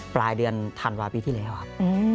ปลายเดือนธันวาปีที่แล้วครับ